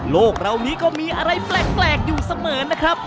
โลกเรานี้ก็มีอะไรแปลกอยู่เสมอนะครับ